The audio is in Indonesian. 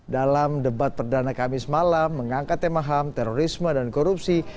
dalam debat perdana kami semalam mengangkat temaham terorisme dan korupsi